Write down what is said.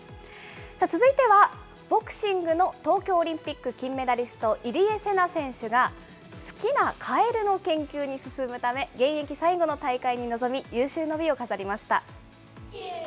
続いては、ボクシングの東京オリンピック金メダリスト、入江聖奈選手が、好きなカエルの研究に進むため、現役最後の大会に臨み、有終の美を飾りました。